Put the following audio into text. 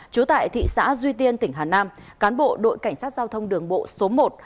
trú tại thị xã duy tiên tỉnh hà nam cán bộ đội cảnh sát giao thông đường bộ số một